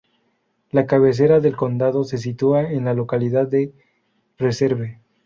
La cabecera del condado se sitúa en la localidad de Reserve.